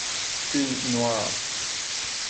Une noire.